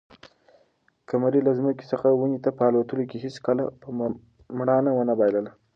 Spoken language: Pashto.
قمرۍ له ځمکې څخه ونې ته په الوتلو کې هیڅکله خپله مړانه ونه بایلله.